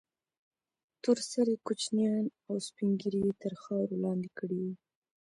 تور سرې كوچنيان او سپين ږيري يې تر خاورو لاندې كړي وو.